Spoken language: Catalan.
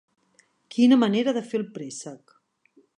Quina manera de fer el préssec.